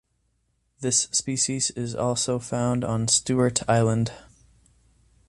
This species is also found on Stewart Island.